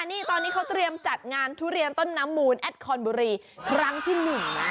นี่ตอนนี้เขาเตรียมจัดงานทุเรียนต้นน้ำมูลแอดคอนบุรีครั้งที่หนึ่งนะ